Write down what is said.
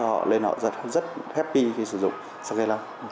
họ lên họ rất happy khi sử dụng xăng e năm